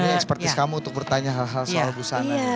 iya ekspertis kamu untuk bertanya hal hal soal busana